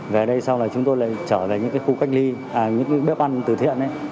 về đây sau là chúng tôi lại chở về những khu cách ly những bếp ăn từ thiện